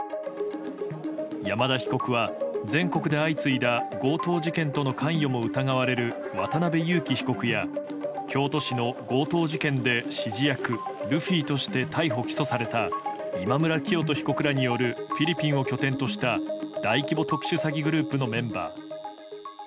山田被告は全国で相次いだ強盗事件との関与も疑われる渡辺優樹被告や京都市の強盗事件で指示役、ルフィとして逮捕・起訴された今村磨人被告らによるフィリピンを拠点とした大規模特殊詐欺グループのメンバー。